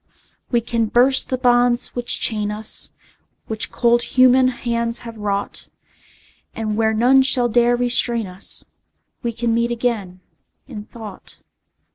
We can burst the bonds which chain us, Which cold human hands have wrought, And where none shall dare restrain us We can meet again, in thought.